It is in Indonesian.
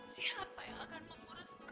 siapa yang akan memurus mereka